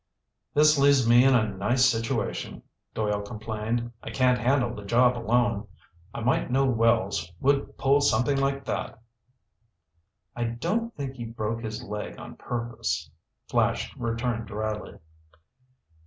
"This leaves me in a nice situation," Doyle complained. "I can't handle the job alone. I might know Wells would pull something like that!" "I don't think he broke his leg on purpose," Flash returned dryly.